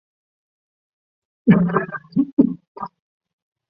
这幅画象征着那尔迈消灭了他的敌人。